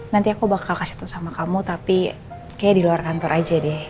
nanti aku bakal kasih tuh sama kamu tapi kayaknya di luar kantor aja deh